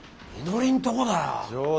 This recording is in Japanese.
みのりんとこだよ。